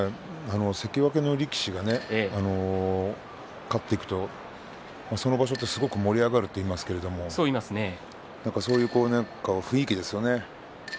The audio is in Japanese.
関脇の力士が勝っていくとその場所ってすごく盛り上がるといいますけれどもそういう雰囲気ですよね。